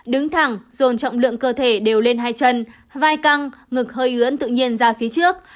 đứng thẳng dồn trọng lượng cơ thể đều lên hai chân vai căng ngực hơi ướn tự nhiên ra phía trước